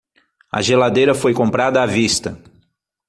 A geladeira foi comprada à vista.